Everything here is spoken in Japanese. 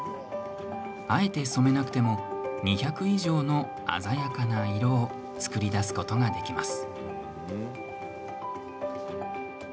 あえて染めなくても２００以上の鮮やかな色を作り出すことができます。